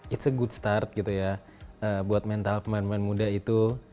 it s a good start gitu ya buat mental pemain pemain muda itu